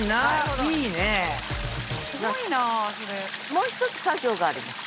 もう一つ作業があります。